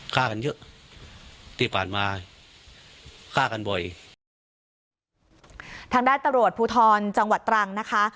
ฆ่าทีพลาดมาฆ่ากันบ่อยทางแรกตรวจพุทธรจังหวัดตรังนะคะ